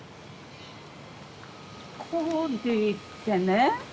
コーディってね